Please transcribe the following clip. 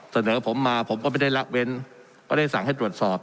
เสนอผมมาผมก็ไม่ได้ละเว้นก็ได้สั่งให้ตรวจสอบ